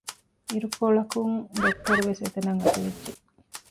އިރުކޮޅަކުން ޑޮކްޓަރުވެސް އެތަނަށް އަތުވެއްޖެ